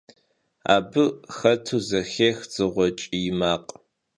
Abı xetu zexêx dzığue ç'iy makh.